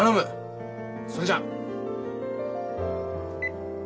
それじゃあ。